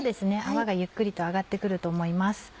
泡がゆっくりと上がって来ると思います。